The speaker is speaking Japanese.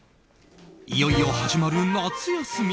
いよいよ始まる夏休み。